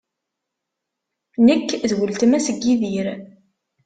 Nekk d weltma-s n Yidir.